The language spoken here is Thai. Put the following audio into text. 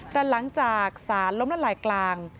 แต่หลังจากสารล้มละลายกลาง